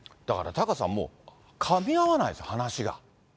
だからタカさん、もうかみ合わないですよ、話が。